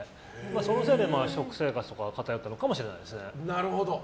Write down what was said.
そのせいで食生活も偏ったのかもしれないですね。